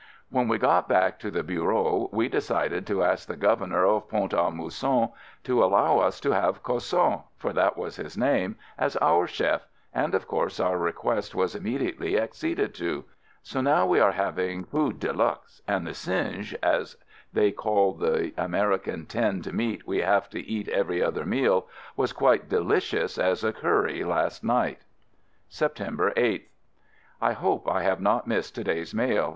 When we got back to the Bureau we decided to ask the Governor of Pont a Mousson to allow us to have Cosson — for that was his name — as our chef, and of course our request was immediately acceded to; so now we are having food de luxe, and the singe (as they call the American tinned meat we have to eat every other meal) was quite delicious as a curry last night! 122 AMERICAN AMBULANCE] September 8th. I hope I have not missed to day's mail.